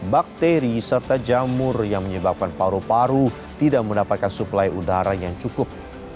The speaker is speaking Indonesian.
bakteri serta jamur yang menyebabkan paru paru tidak mendapatkan suplai udara yang cukup